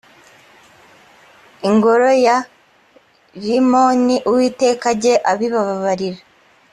ingoro ya rimoni uwiteka ajye abibabarira